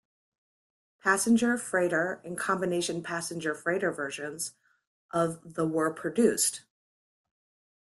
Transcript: Passenger, freighter and combination passenger-freighter versions of the were produced.